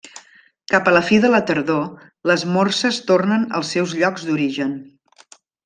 Cap a la fi de la tardor, les morses tornen als seus llocs d'origen.